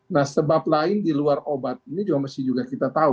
nah sebab lain di luar obat ini juga mesti juga kita tahu